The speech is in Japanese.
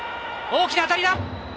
大きな当たり。